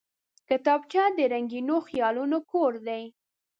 کتابچه د رنګینو خیالونو کور دی